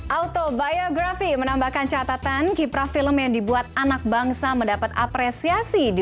auto biography menambahkan catatan kiprah film yang dibuat anak bangsa mendapat apresiasi di